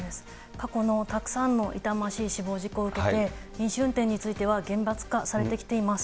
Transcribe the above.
過去のたくさんの痛ましい死亡事故を受けて、飲酒運転については厳罰化されてきています。